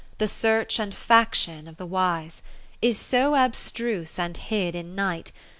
The search and faction of the wise, Is so abstruse and hid in night.